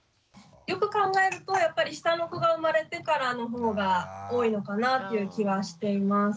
よく考えるとやっぱり下の子が生まれてからの方が多いのかなっていう気はしています。